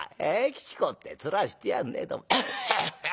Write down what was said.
吉公ってツラしてやんねえ」。